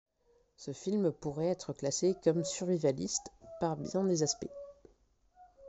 Ce film pourrait être classé comme survivaliste par bien des aspects.